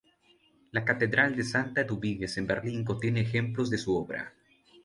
La Catedral de Santa Eduviges en Berlín contiene ejemplos de su obra.